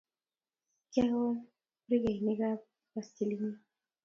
Kyawal brekinikab baskilinyuu